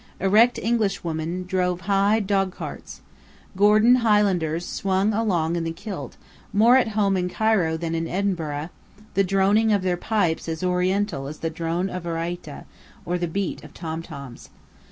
Erect English women drove high dog carts. Gordon Highlanders swung along in the kilt, more at home in Cairo then in Edinburgh, the droning of their pipes as Oriental as the drone of a räita, or the beat of tom toms.